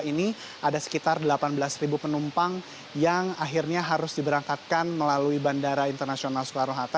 ini ada sekitar delapan belas penumpang yang akhirnya harus diberangkatkan melalui bandara internasional soekarno hatta